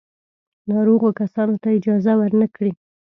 ناروغو کسانو ته اجازه ور نه کړي.